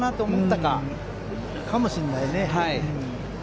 かもしんないね。